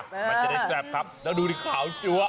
มันจะได้แซ่บครับแล้วดูดิขาวจั๊ว